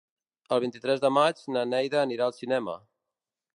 El vint-i-tres de maig na Neida anirà al cinema.